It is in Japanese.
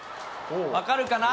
分かるかな？